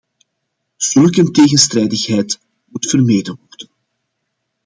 Zulk een tegenstrijdigheid moet vermeden worden.